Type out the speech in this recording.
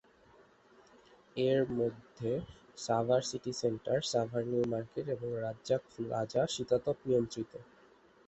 এর মধ্যে Savar City Centre, Savar New Market এবং রাজ্জাক প্লাজা শীতাতপ নিয়ন্ত্রিত।